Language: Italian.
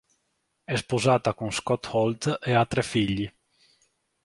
È sposata con Scott Holt e ha tre figli.